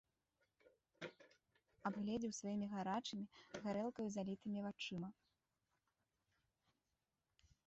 Абгледзеў сваімі гарачымі, гарэлкаю залітымі вачыма.